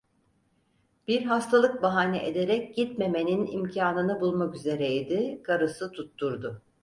Bir hastalık bahane ederek gitmemenin imkanını bulmak üzere idi; karısı tutturdu.